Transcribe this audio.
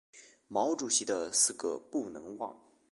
毛主席的四个不能忘！